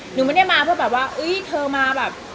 หนูไม่ได้มาเพื่อแบบว่าอุ๊ยเธอมาแบบ